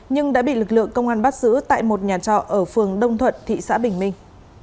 nhưng đã bị lực lượng công an bắt giữ tại một nhà trọ ở phường đông thuận thị xã bình minh